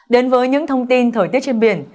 đến với những thông tin thời tiết trên biển